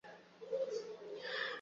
সন্ন্যাস গ্রহণ করিয়া সে শহরে আসিল।